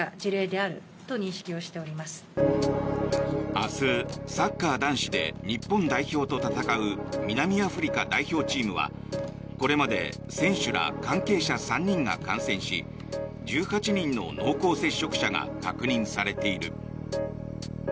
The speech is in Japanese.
明日、サッカー男子で日本代表と戦う南アフリカ代表チームはこれまで選手ら関係者３人が感染し１８人の濃厚接触者が確認されている。